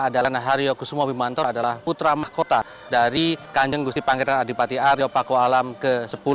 dan ini adalah putra mahkota dari kanjeng gusti panggirkan adipati arya paku alam ke sepuluh